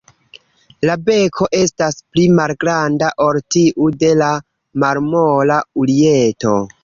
La beko estas pli malgranda ol tiu de la Marmora urieto.